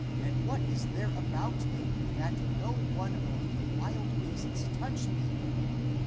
and what is there about thee, that no one of the wild beasts touch thee